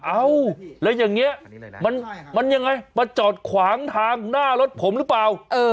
เอ้าแล้วอย่างนี้มันยังไงมาจอดขวางทางหน้ารถผมหรือเปล่า